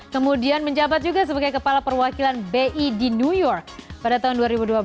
kemudian menjabat juga sebagai kepala perwakilan bi di new york pada tahun dua ribu dua belas